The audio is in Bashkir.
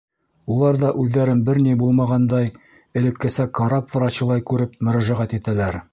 Улар ҙа үҙҙәрен бер ни булмағандай, элеккесә карап врачылай күреп мөрәжәғәт итәләр.